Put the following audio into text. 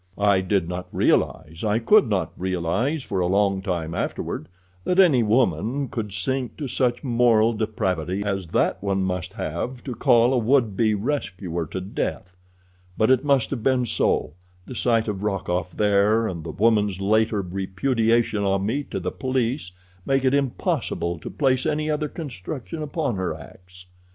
"I did not realize, I could not realize for a long time afterward, that any woman could sink to such moral depravity as that one must have to call a would be rescuer to death. But it must have been so—the sight of Rokoff there and the woman's later repudiation of me to the police make it impossible to place any other construction upon her acts.